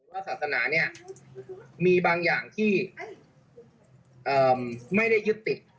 ว่าศาสนาเนี่ยมีบางอย่างที่ไม่ได้ยึดติด